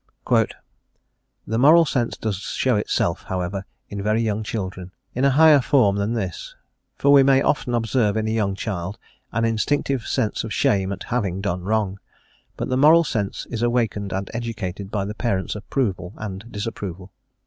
The moral sense does show itself, however, in very young children, in a higher form than this; for we may often observe in a young child an instinctive sense of shame at having done wrong. But the moral sense is awakened and educated by the parents' approval and disapproval.